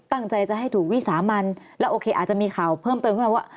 ตั้งใจจะให้ถูกวิสามันแล้วโอเคอาจจะมีข่าวเพิ่มเติมขึ้นมาว่า